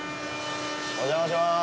お邪魔します。